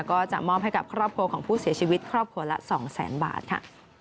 ก็จะมอบให้กับครอบครัวของผู้เสียชีวิตครอบครัวละ๒แสนบาทค่ะ